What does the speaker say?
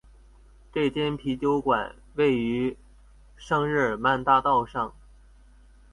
这间啤酒馆位于圣日耳曼大道上。